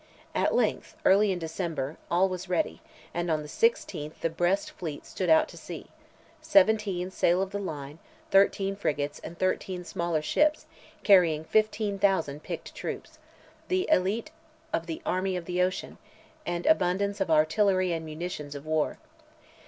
At length, early in December, all was ready, and on the 16th the Brest fleet stood out to sea; 17 sail of the line, 13 frigates, and 13 smaller ships, carrying 15,000 picked troops, the élite of "the Army of the Ocean," and abundance of artillery and munitions of war.